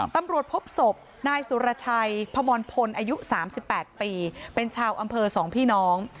ตำรวจพบศพนายสุรชัยพมรพลอายุ๓๘ปีเป็นชาวอำเภอ๒พี่น้อง